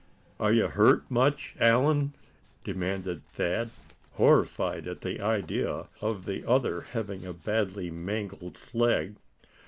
"Are you hurt much, Allan?" demanded Thad, horrified at the idea of the other having a badly mangled leg.